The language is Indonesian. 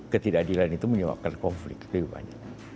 ketidakadilan itu menyebabkan konflik lebih banyak